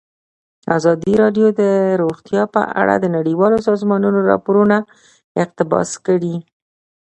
ازادي راډیو د روغتیا په اړه د نړیوالو سازمانونو راپورونه اقتباس کړي.